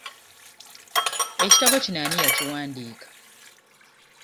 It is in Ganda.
Ekitabo kino ani yakiwandiika?